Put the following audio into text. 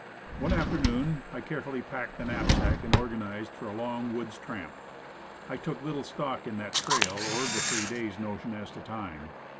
One afternoon I carefully packed the knapsack and organized for a long woods tramp. I took little stock in that trail, or the three days' notion as to time.